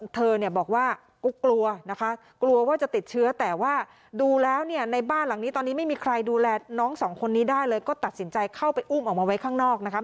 เธอเนี่ยบอกว่าก็กลัวนะคะกลัวว่าจะติดเชื้อแต่ว่าดูแล้วเนี่ยในบ้านหลังนี้ตอนนี้ไม่มีใครดูแลน้องสองคนนี้ได้เลยก็ตัดสินใจเข้าไปอุ้มออกมาไว้ข้างนอกนะคะ